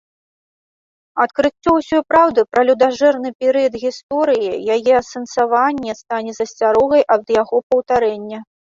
Адкрыццё ўсёй праўды пра людажэрны перыяд гісторыі, яе асэнсаванне стане засцярогай ад яго паўтарэння.